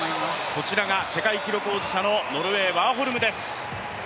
こちらが世界記録保持者のノルウェーのワーホルムです。